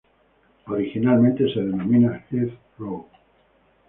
Originalmente se denominaba Heath Row.